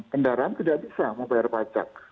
kendaraan tidak bisa membayar pajak